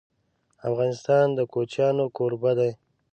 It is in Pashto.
افغانستان د کوچیانو کوربه دی..